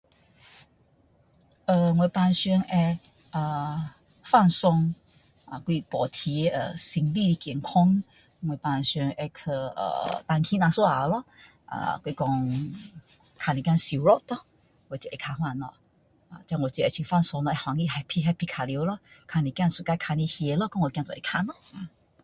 呃我平常会放松就是保持心理健康我平时会去弹琴一下咯还是说看一点小说咯我很喜欢那样的东西去 happy happy 去玩咯看一点喜欢看的戏咯跟我的孩子一起看咯嗯